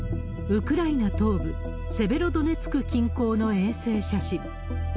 ウクライナ東部セベロドネツク近郊の衛星写真。